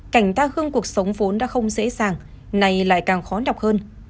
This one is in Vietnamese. cảnh ta hương cuộc sống vốn đã không dễ dàng nay lại càng khó đọc hơn